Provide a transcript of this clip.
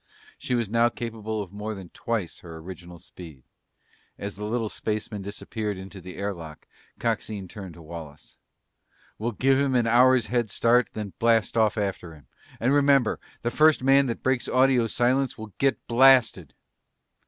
She was now capable of more than twice her original speed. As the little spaceman disappeared into the air lock, Coxine turned to Wallace. "We'll give him an hour's head start and then blast off after him. And remember, the first man that breaks audio silence will get blasted!"